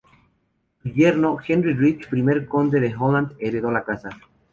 Su yerno, Henry Rich, primer conde de Holland, heredó la casa.